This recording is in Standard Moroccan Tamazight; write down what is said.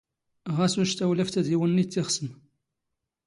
ⵖⴰⵔ ⵓⵛ ⵜⴰⵡⵍⴰⴼⵜ ⴰⴷ ⵉ ⵡⵏⵏⵉ ⵜⵜ ⵉⵅⵙⵏ.